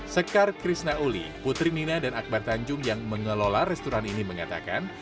sekar krishna uli putri nina dan akbar tanjung yang mengelola restoran ini mengatakan